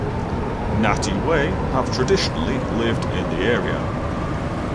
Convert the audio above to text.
Ngati Wai have traditionally lived in the area.